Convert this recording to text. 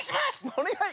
おねがい！